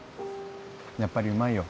やっぱりうまいよ。